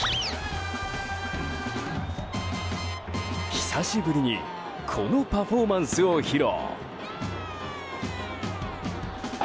久しぶりにこのパフォーマンスを披露。